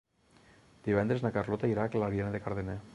Divendres na Carlota irà a Clariana de Cardener.